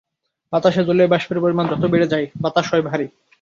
বাতাসে জলীয়বাষ্পের পরিমাণ যখন বেড়ে যায় বাতাস হয় ভারি।